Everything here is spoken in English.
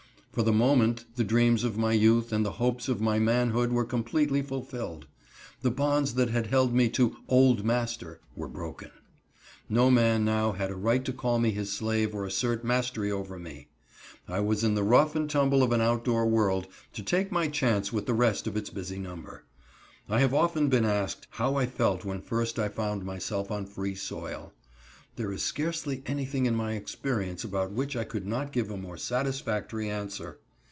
For the moment, the dreams of my youth and the hopes of my manhood were completely fulfilled. The bonds that had held me to "old master" were broken. No man now had a right to call me his slave or assert mastery over me. I was in the rough and tumble of an outdoor world, to take my chance with the rest of its busy number. I have often been asked how I felt when first I found myself on free soil. There is scarcely anything in my experience about which I could not give a more satisfactory answer.